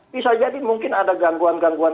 bisa jadi mungkin ada gangguan gangguan